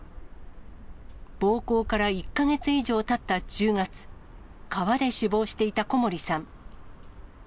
暴行から１か月以上たった１０月、川で死亡していた小森さん。